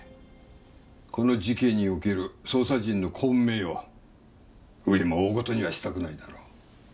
この事件における捜査陣の混迷を上も大事にはしたくないだろう。